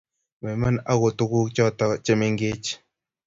Meiman ago tuguk choto chemengech